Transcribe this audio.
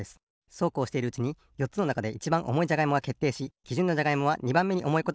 そうこうしているうちによっつのなかでいちばんおもいじゃがいもがけっていしきじゅんのじゃがいもは２ばんめにおもいことがわかりました。